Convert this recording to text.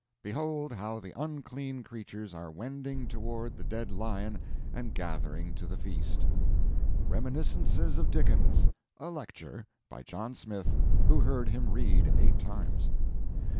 Behold how the unclean creatures are wending toward the dead lion and gathering to the feast: "Reminiscences of Dickens." A lecture. By John Smith, who heard him read eight times.